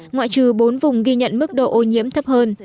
ngoại trừ bốn vùng ghi nhận mức độ ô nhiễm thấp hơn